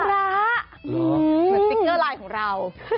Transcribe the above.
คุณพระสติกเกอร์ไลน์ของเรา